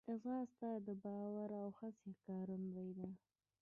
ځغاسته د باور او هڅې ښکارندوی ده